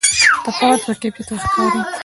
تفاوت په کیفیت کې ښکاري.